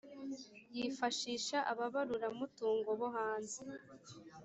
yifashisha ababarura mutungo bo hanze